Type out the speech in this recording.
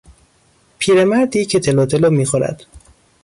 پیر مردی که تلوتلو میخورد